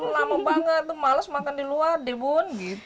lama banget tuh males makan di luar deh bun